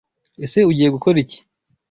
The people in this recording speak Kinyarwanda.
Ese Ugiye gukora iki?